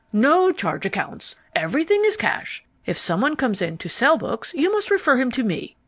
"No charge accounts. Everything is cash. If someone comes in to sell books, you must refer him to me.